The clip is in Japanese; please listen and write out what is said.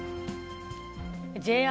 ＪＲ